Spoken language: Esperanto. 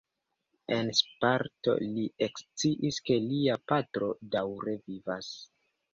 En Sparto li eksciis ke lia patro daŭre vivas.